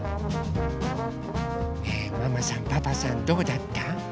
ねえママさんパパさんどうだった？